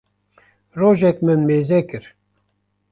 rojek min mêze kir